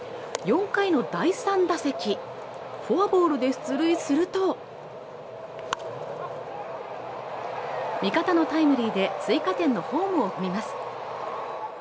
４回の第３打席、フォアボールで出塁すると味方のタイムリーで追加点のホームを踏みます。